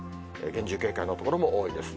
厳重警戒の所も多いです。